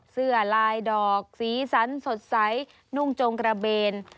เสื้อลายดอกสีสันสดใสนุ่งจงกระเบน